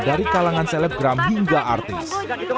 dari kalangan selebgram hingga artis